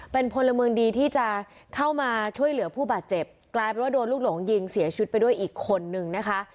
เป็นพลเมืองดีที่จะเข้ามาช่วยเหลือผู้บาดเจ็บกลายเป็นว่าโดนลูกหลงยิงเสียชีวิตไปด้วยอีกคนนึงนะคะ